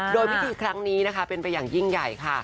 โดยพิธีครั้งนี้นะคะเป็นไปอย่างยิ่งใหญ่ค่ะ